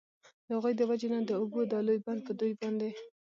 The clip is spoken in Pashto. د هغوی د وجي نه د اوبو دا لوی بند په دوی باندي